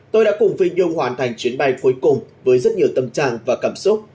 tôi đã cùng phi nhung hoàn thành chuyến bay cuối cùng với rất nhiều tâm trạng và cảm xúc